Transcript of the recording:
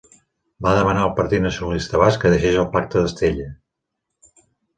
Va demanar al Partit Nacionalista Basc que deixés el Pacte d'Estella.